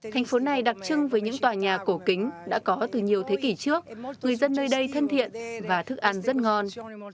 thành phố này đặc trưng với những tòa nhà cổ kính đã có từ nhiều thế kỷ trước người dân nơi đây thân thiện và thức ăn rất ngon